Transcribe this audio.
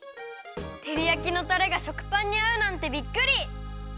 てりやきのたれが食パンにあうなんてびっくり！